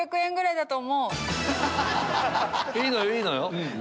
いいのよいいのよ